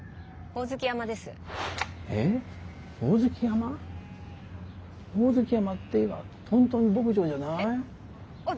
ホオズキ山っていえばトントン牧場じゃない？え？